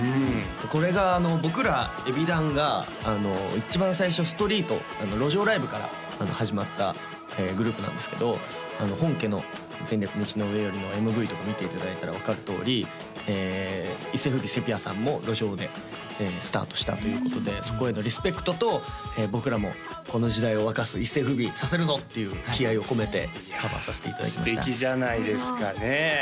これが僕らＥＢｉＤＡＮが一番最初ストリート路上ライブから始まったグループなんですけど本家の「前略、道の上より」のＭＶとか見ていただいたら分かるとおり一世風靡セピアさんも路上でスタートしたということでそこへのリスペクトと僕らもこの時代を沸かす一世風靡させるぞっていう気合を込めてカバーさせていただきました素敵じゃないですかねえ